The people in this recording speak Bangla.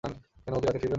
কেন, ও কি রাতে ফিরবে না?